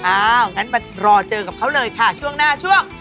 งั้นมารอเจอกับเขาเลยค่ะช่วงหน้าช่วง